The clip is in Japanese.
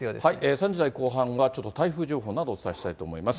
３時台後半は、ちょっと台風情報などをお伝えしたいと思います。